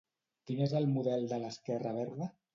Quin és el model de l'esquerra verda?